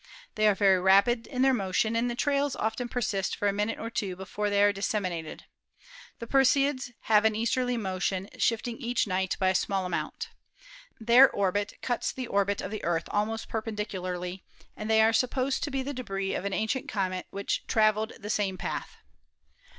They are very rapid in their motion and the trails often persist for a minute or two before they are dissemi nated. The Perseids have an easterly motion, shifting each night by a small amount. Their orbit cuts the orbit of the Earth almost perpendicularly, and they are supposed to be the debris of an ancient comet which traveled the same path.